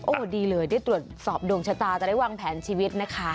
โอ้โหดีเลยได้ตรวจสอบดวงชะตาจะได้วางแผนชีวิตนะคะ